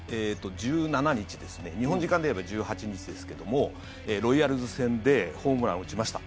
１７日ですね日本時間でいえば１８日ですけどもロイヤルズ戦でホームランを打ちました。